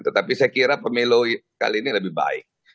tetapi saya kira pemilu kali ini lebih baik